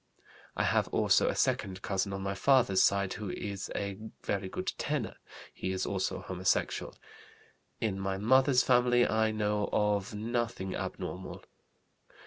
I have also a second cousin on my father's side who is a very good tenor; he is also homosexual. In my mother's family I know of nothing abnormal.